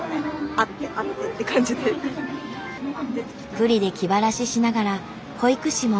プリで気晴らししながら保育士も４年に。